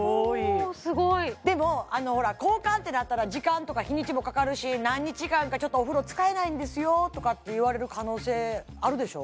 すごいでも交換ってなったら時間とか日にちもかかるし何日間かちょっとお風呂使えないんですよとかって言われる可能性あるでしょ？